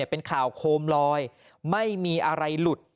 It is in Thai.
เป็นข่าวโคมลอยไม่มีอะไรหลุด